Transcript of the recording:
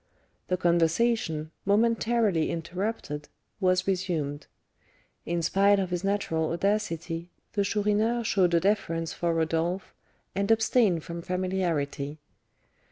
The conversation, momentarily interrupted, was resumed. In spite of his natural audacity, the Chourineur showed a deference for Rodolph, and abstained from familiarity.